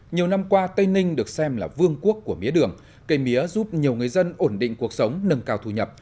nhiều năm qua tây ninh được xem là vương quốc của mía đường cây mía giúp nhiều người dân ổn định cuộc sống nâng cao thu nhập